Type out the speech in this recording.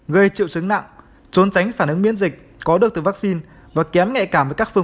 gây triệu chứng nặng trốn tránh phản ứng miễn dịch có được từ vaccine và kém nhạy cảm với các phương